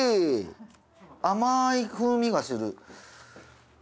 甘い風味がする。